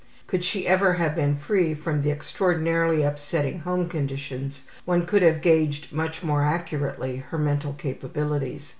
Could she ever have been free from the extraordinarily upsetting home conditions one could have gauged much more accurately her mental capabilities.